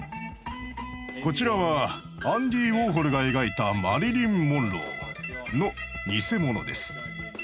こちらはアンディ・ウォーホルが描いたマリリン・モンローの偽物です。